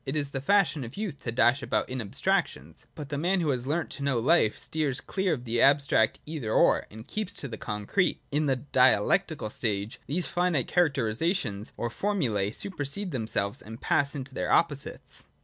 It is the fashion of youth to dash about in abstractions : but the man who has learnt to know life steers clear of the abstract ' either — or,' and keeps to the concrete. 8i.] DIALECTIC. 147 81.] ((3) In the Dialectical stage these finite charac terisations or formulae supersede themselves, and pass into their opposites.